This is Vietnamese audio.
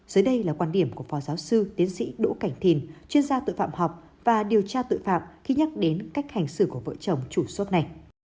dưới đây là quan điểm của phó giáo sư tiến sĩ đỗ cảnh thìn chuyên gia tội phạm học và điều tra tội phạm khi nhắc đến cách hành xử của vợ chồng chủ shop này